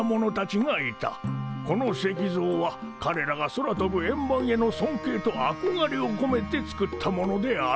この石像はかれらが空飛ぶ円盤への尊敬とあこがれをこめて作ったものである。